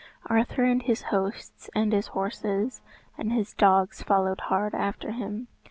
Arthur and his hosts, and his horses, and his dogs followed hard after him.